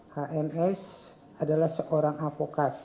hns adalah seorang avokat